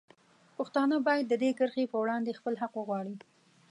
پښتانه باید د دې کرښې په وړاندې خپل حق وغواړي.